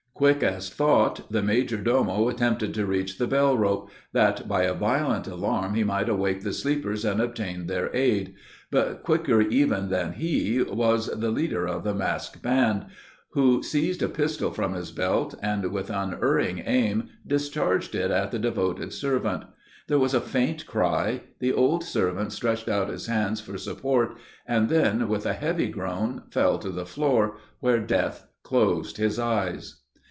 Quick as thought the major domo attempted to reach the bell rope, that by a violent alarm he might awake the sleepers and obtain their aid, but quicker even than he was the leader of the masked band, who seized a pistol from his belt, and, with unerring aim, discharged it at the devoted servant. There was a faint cry: the old servant stretched out his hands for support, and then, with a heavy groan, fell to the floor, where death closed his eyes.